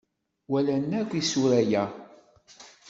Walan akk isura-a.